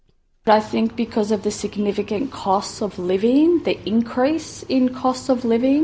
saya pikir karena harga hidup yang signifikan peningkatan harga hidup